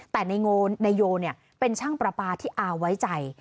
แต่นายโยเป็นช่างประปาที่อาไว้ใจ